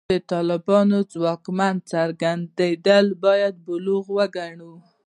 د طالبانو ځواکمن څرګندېدل باید بلوغ وګڼو.